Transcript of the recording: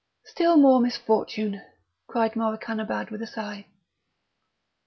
"Still more misfortunes," cried Morakanabad, with a sigh.